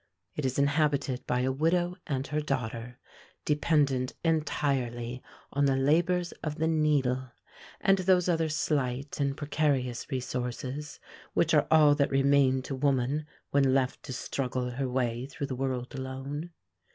It is inhabited by a widow and her daughter, dependent entirely on the labors of the needle, and those other slight and precarious resources, which are all that remain to woman when left to struggle her way through the world alone.